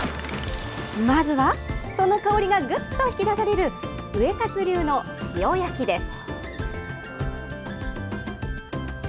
まずは、その香りがぐっと引き出されるウエカツ流の塩焼きです。